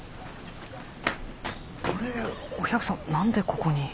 あれお百さん何でここに。